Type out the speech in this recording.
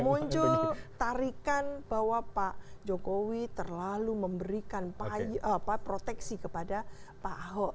muncul tarikan bahwa pak jokowi terlalu memberikan proteksi kepada pak ahok